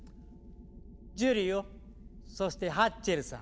ジュリオそしてハッチェルさん。